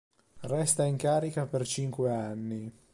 Resta in carica per cinque anni.